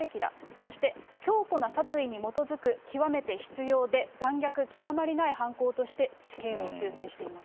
そして、強固な殺意に基づく、極めて執ようで残虐極まりない犯行として、死刑を求刑しています。